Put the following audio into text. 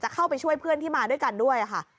เข้าไปช่วยเพื่อนที่มาด้วยกันด้วยค่ะ